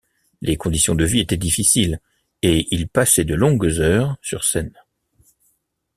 Les conditions de vie étaient difficiles et ils passaient de longues heures sur scène.